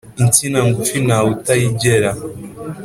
Insina ngufi ntawe utayigera.